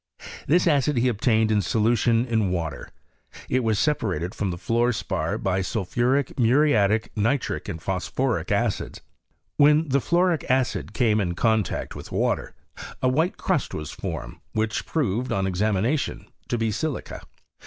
This acid he obtained in solution in water ; it was separated from the fluor spar by sul phuric, muriatic, nitric, and phosphoric acids. When the fluoric acid came in contact with water, a white crust was formed, which proved, on examination, to be silica.